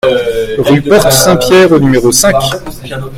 Rue Porte Saint-Pierre au numéro cinq